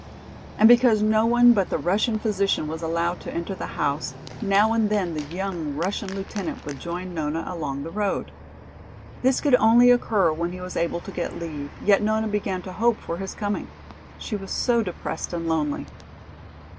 And because no one but the Russian physician was allowed to enter the house, now and then the young Russian lieutenant would join Nona along the road. This could only occur when he was able to get leave, yet Nona began to hope for his coming. She was so depressed and lonely.